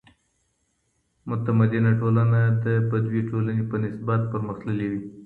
متمدنه ټولنه د بدوي ټولني په نسبت پرمختللې وي.